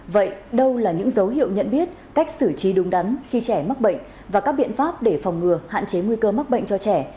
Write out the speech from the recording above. vậy đâu là những dấu hiệu nhận biết cách xử trí đúng đắn khi trẻ mắc bệnh và các biện pháp để phòng ngừa hạn chế nguy cơ mắc bệnh cho trẻ